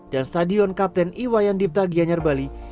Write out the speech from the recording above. dan stadion kapten iwayandipta gianyar bali